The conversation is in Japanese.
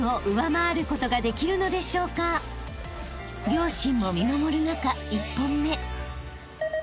［両親も見守る中１本目］